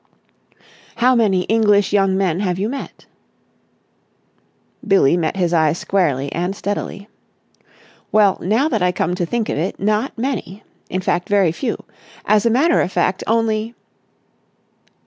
"How many English young men have you met?" Billie met his eye squarely and steadily. "Well, now that I come to think of it, not many. In fact, very few. As a matter of fact, only...."